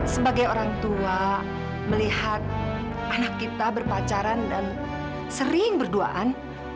sebagai orang tua melihat anak kita berpacaran dan sering berduaan